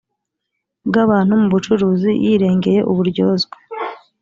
bw abantu mu bucuruzi yirengeye uburyozwe